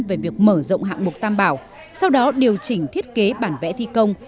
về việc mở rộng hạng mục tam bảo sau đó điều chỉnh thiết kế bản vẽ thi công